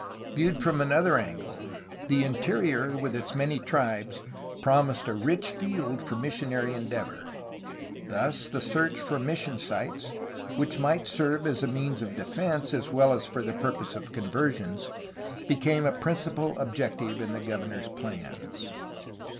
Viewed from another angle the interior, with its many tribes, promised a rich field for missionary endeavor. Thus the search for mission sites, which might serve as a means of defence as weU as for the purpose of conversions, became a principal objective in the governor's plans.